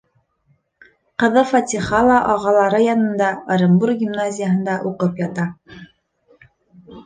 Ҡыҙы Фатиха ла ағалары янында — Ырымбур гимназияһында уҡып ята.